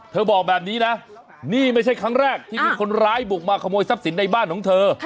บอกแบบนี้นะนี่ไม่ใช่ครั้งแรกที่มีคนร้ายบุกมาขโมยทรัพย์สินในบ้านของเธอ